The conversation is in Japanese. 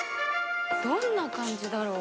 どんな感じだろう？